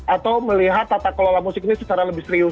atau melihat tata kelola musik ini secara lebih serius